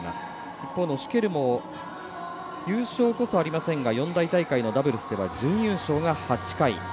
一方のシュケルも優勝こそありませんが四大大会のダブルスでは準優勝が８回。